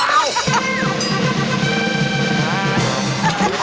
เล็กขาระเบา